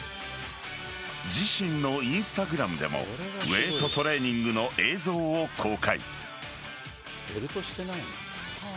自身のＩｎｓｔａｇｒａｍでもウエイトトレーニングの映像を公開。